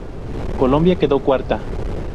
Colombia quedó cuarta.